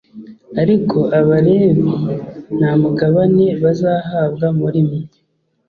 ariko abalevi nta mugabane bazahabwa muri mwe